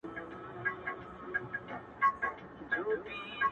د ښایستونو خدایه سر ټیټول تاته نه وه،